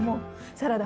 サラダ？